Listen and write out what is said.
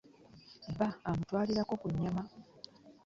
Bba amutwalirako ku nnyama.